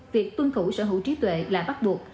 việc tuân thủ sở hữu trí tuệ là bắt buộc